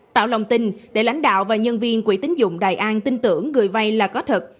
tạo lòng tin để lãnh đạo và nhân viên quỹ tính dụng đại an tin tưởng người vay là có thật